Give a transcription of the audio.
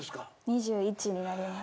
２１になります。